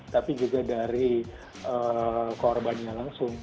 tapi juga dari korbannya langsung